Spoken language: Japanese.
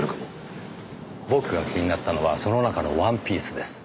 僕が気になったのはその中のワンピースです。